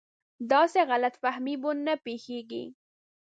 داسې غلط فهمي به نه پېښېږي.